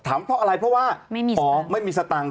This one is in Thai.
ถามเพราะอะไรเพราะว่าอ๋อไม่มีสตังค์